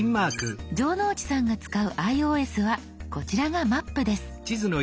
城之内さんが使うｉＯＳはこちらが「マップ」です。